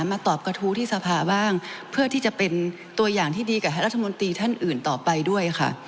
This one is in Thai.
มาตอบกระทู้ที่สภาบ้างเพื่อที่จะเป็นตัวอย่างที่ดีกับรัฐมนตรีท่านอื่นต่อไปด้วยค่ะ